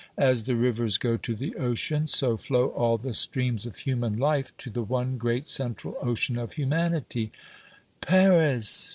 As the rivers go to the ocean, so flow all the streams of human life to the one great central ocean of humanity PARIS!